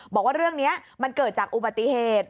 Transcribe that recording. บอกว่าเรื่องนี้มันเกิดจากอุบัติเหตุ